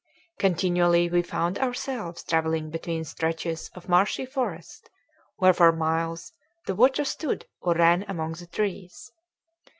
Continually we found ourselves travelling between stretches of marshy forest where for miles the water stood or ran among the trees.